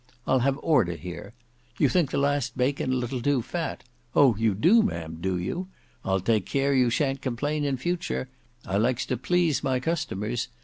I'll have order here. You think the last bacon a little too fat: oh! you do, ma'am, do you? I'll take care you shan't complain in futur; I likes to please my customers.